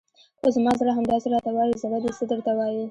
خو زما زړه همداسې راته وایي، زړه دې څه درته وایي؟